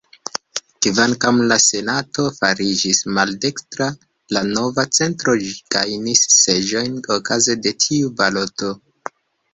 Kvankam la Senato fariĝis maldekstra, la Nova Centro gajnis seĝojn okaze de tiu baloto.